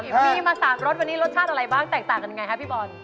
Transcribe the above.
พี่มีมาสานลดวันนี้รสชาติอะไรบ้างแตกต่างอันไงฮะพี่บอล